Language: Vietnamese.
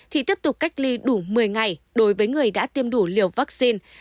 thì tiếp tục cách ly đủ một mươi ngày đối với người đã tiêm đủ liều vaccine